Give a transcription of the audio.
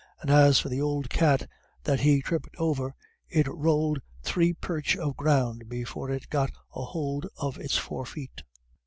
And as for th' ould cat that he tripped over, it rowled three perch of ground before it got a hould of its four feet."